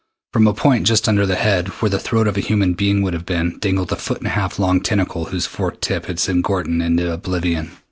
From a point just under the head, where the throat of a human being would have been, dangled the foot and a half long tentacle whose forked tip had sent Gordon into oblivion.